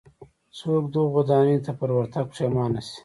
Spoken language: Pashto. څوک دغو ودانیو ته پر ورتګ پښېمانه شي.